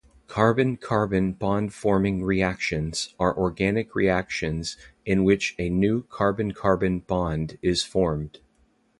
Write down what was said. Carbon-carbon bond-forming reactions are organic reactions in which a new carbon-carbon bond is formed.